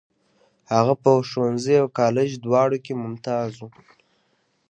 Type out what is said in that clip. هغه په ښوونځي او کالج دواړو کې ممتاز و.